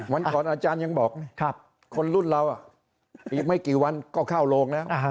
วันก่อนอาจารย์ยังบอกคนรุ่นเราอีกไม่กี่วันก็เข้าโรงแล้ว